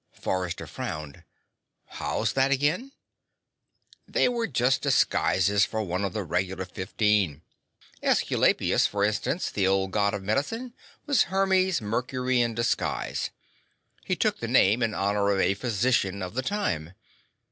Forrester frowned. "How's that again?" "They were just disguises for one of the regular fifteen. Aesculapius, for instance, the old God of medicine, was Hermes/Mercury in disguise he took the name in honor of a physician of the time.